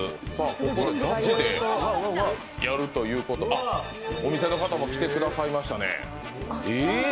ここでガチでやるということでお店の方も来てくださいましたね。